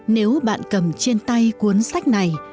nếu bạn cầm trên tay cuốn sách này